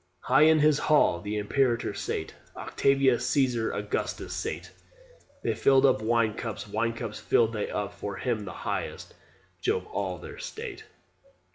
High in his hall the Imperator sate OCTAVIANUS CAESAR AUGUSTUS sate. They filled up wine cups, wine cups filled they up For him the highest, Jove of all their state.